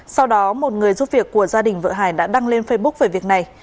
sau đó một người giúp việc của gia đình vợ hải đã đăng lên facebook về việc này